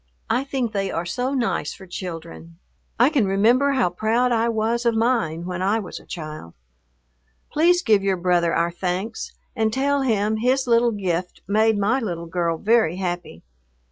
I think they are so nice for children. I can remember how proud I was of mine when I was a child. Please give your brother our thanks, and tell him his little gift made my little girl very happy.